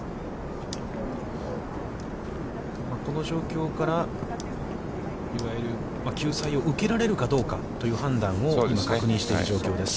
この状況から、いわゆる救済を受けられるかどうかという判断を今、確認している状況です。